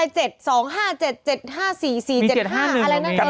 ๗๕๔๔๗๕อะไรแหละนั้น